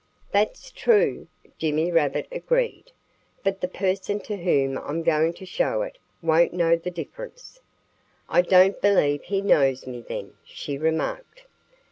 "That's true," Jimmy Rabbit agreed. "But the person to whom I'm going to show it won't know the difference." "I don't believe he knows me, then," she remarked.